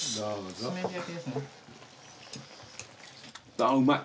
あぁうまい。